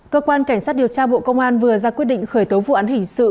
cơ quan cảnh sát điều tra bộ công an vừa ra quyết định khởi tố vụ án hình sự